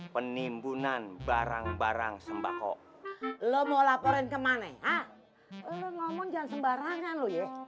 penimbunan barang barang sembako lo mau laporan ke mana ngomong jangan sembarangan